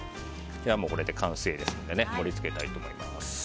これで完成ですので盛り付けたいと思います。